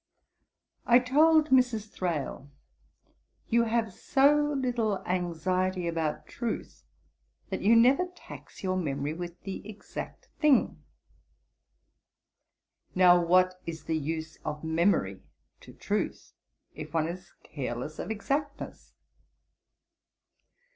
I told Mrs. Thrale, "You have so little anxiety about truth, that you never tax your memory with the exact thing." Now what is the use of the memory to truth, if one is careless of exactness?